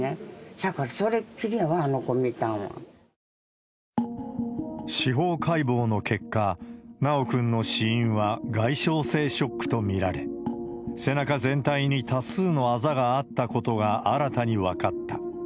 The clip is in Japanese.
せやから、それっきりやわ、司法解剖の結果、修くんの死因は外傷性ショックと見られ、背中全体に多数のあざがあったことが新たに分かった。